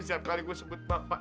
tapi setiap kali saya sebut bapak